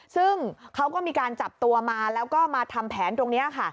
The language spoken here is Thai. ซึ่งเขาก็มีการจับตัวมาแล้วก็มาทำแผนตรงนี้ค่ะ